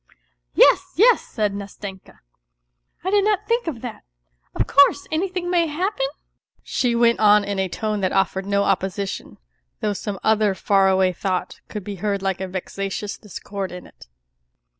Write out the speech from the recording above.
" Yes, yes !" said Nastenka. " I did not think of that. Of course anything may happen ?" she went on in a tone that offered no opposition, though some other far away thought could be heard like a vexatious discord in it.